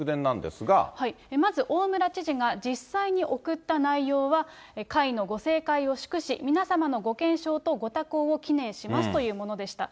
まず、大村知事が、実際に送った内容は、会のご盛会を祝し、皆様のご健勝とご多幸を祈念しますというものでした。